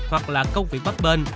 hoặc là công việc bắt bên